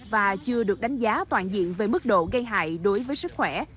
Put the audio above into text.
và chưa được đánh giá toàn diện về mức độ gây hại đối với sức khỏe